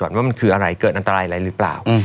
ว่ามันคืออะไรเกิดอันตรายอะไรหรือเปล่า